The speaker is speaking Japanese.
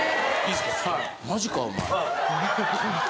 ・マジかお前。